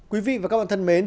quý vị và các bạn thân mến